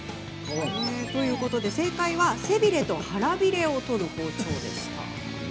ということで正解は背びれと腹びれでした。